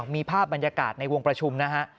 มีภาพบรรยากาศในวงประชุมนะฮะ